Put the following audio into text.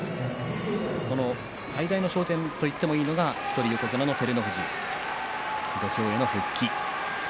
その最大の焦点と言ってもいいのが一人横綱の照ノ富士、横綱の復帰。